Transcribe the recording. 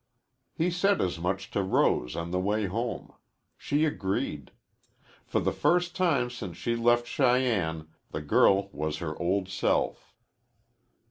He said as much to Rose on the way home. She agreed. For the first time since she left Cheyenne the girl was her old self.